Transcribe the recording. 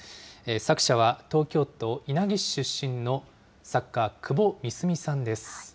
作者は東京都稲城市出身の作家、窪美澄さんです。